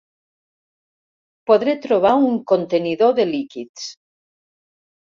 Podré trobar un contenidor de líquids.